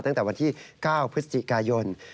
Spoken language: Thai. ตั้งแต่วันที่๙พฤศจิกายน